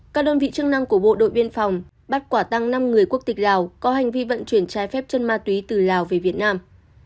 các đơn vị chức năng của bộ đội biên phòng bắt quả tăng năm người quốc tịch lào có hành vi vận chuyển trái phép chân ma túy từ lào về việt nam